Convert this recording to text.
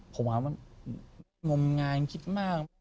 ผมว่างงงายคิดมาก